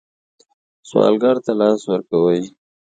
سوالګر ته لاس ورکوئ